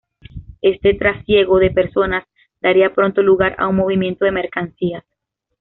Este trasiego de personas daría pronto lugar a un movimiento de mercancías.